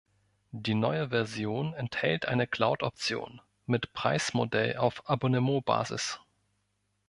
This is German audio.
Die neue Version enthält eine Cloud-Option mit Preismodell auf Abonnementbasis.